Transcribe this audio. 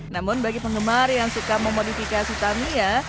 namun bagi penggemar yang suka memodifikasi tamiya